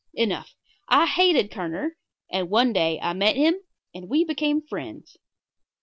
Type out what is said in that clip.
Enough! I hated Kerner, and one day I met him and we became friends.